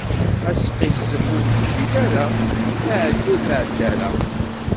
Asqizzeb, ur teǧǧi ara; aεeddi, ur tεedda ara.